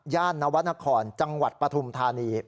ย่านนวัตนครจังหวัดปฐุมธานี